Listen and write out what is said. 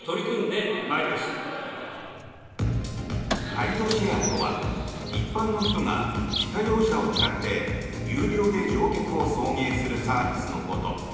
ライドシェアとは一般の人が自家用車を使って有料で乗客を送迎するサービスのこと。